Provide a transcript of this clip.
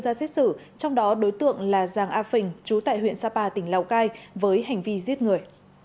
ra xét xử trong đó đối tượng là giàng a phình trú tại huyện sapa tỉnh lào cai với hành vi giết người